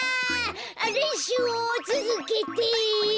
れんしゅうをつづけて！